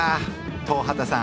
東畑さん